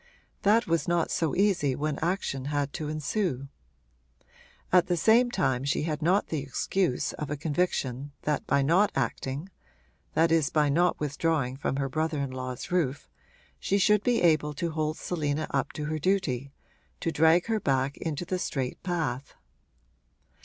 That was not so easy when action had to ensue. At the same time she had not the excuse of a conviction that by not acting that is by not withdrawing from her brother in law's roof she should be able to hold Selina up to her duty, to drag her back into the straight path.